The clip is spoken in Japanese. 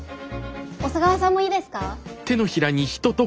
小佐川さんもいいですか？